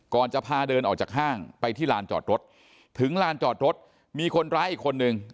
จะพาเดินออกจากห้างไปที่ลานจอดรถถึงลานจอดรถมีคนร้ายอีกคนนึง